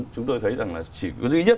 chúng tôi thấy rằng là